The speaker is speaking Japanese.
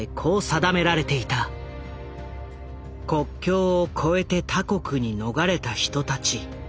「国境を越えて他国に逃れた人たち」。